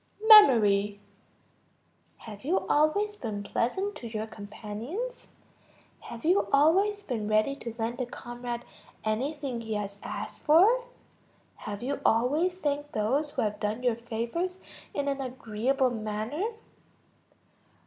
Memory. Have you always been pleasant to your companions? Have you always been ready to lend a comrade anything he has asked for? Have you always thanked those who have done you favors in an agreeable manner?